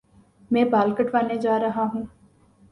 میں بال کٹوانے جا رہا ہوں